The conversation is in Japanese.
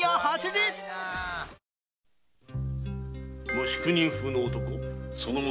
⁉無宿人風の男？